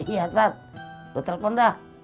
iya tat lo telepon dah